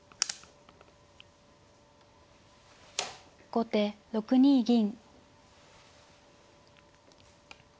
後手６二銀。